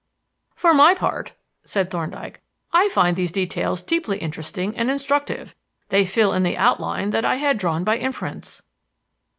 "For my part," said Thorndyke, "I find these details deeply interesting and instructive. They fill in the outline that I had drawn by inference."